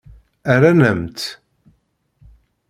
Rran-am-tt.